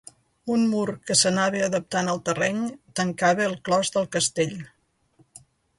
Un mur que s'anava adaptant al terreny tancava el clos del castell.